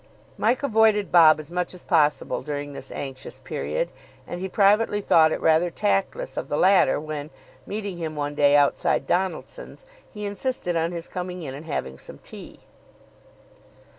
Mike avoided Bob as much as possible during this anxious period; and he privately thought it rather tactless of the latter when, meeting him one day outside Donaldson's, he insisted on his coming in and having some tea.